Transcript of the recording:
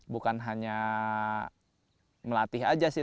bukan hanya melatih aja sih